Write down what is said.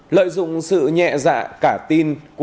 lợi dụng sự nhẹ dạ cả tin của các bị hại nhóm đối tượng đã gọi điện cho